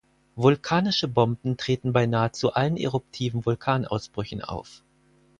Vulkanische Bomben treten bei nahezu allen eruptiven Vulkanausbrüchen auf.